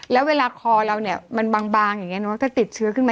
แล้วเวลาคอเราเนี่ยมันบางอย่างนี้เนอะถ้าติดเชื้อขึ้นมา